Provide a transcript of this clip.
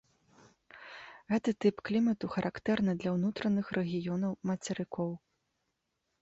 Гэты тып клімату характэрны для ўнутраных рэгіёнаў мацерыкоў.